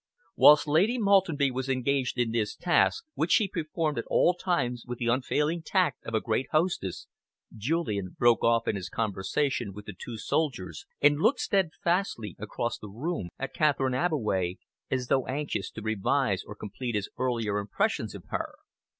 Whilst Lady Maltenby was engaged in this task, which she performed at all times with the unfailing tact of a great hostess, Julian broke off in his conversation with the two soldiers and looked steadfastly across the room at Catherine Abbeway, as though anxious to revise or complete his earlier impressions of her.